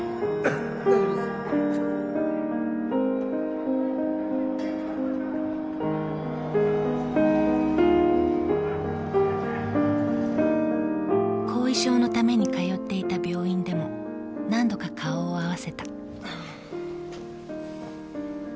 大丈夫です［後遺症のために通っていた病院でも何度か顔を合わせた］